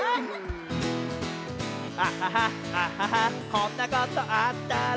こんなことあったら」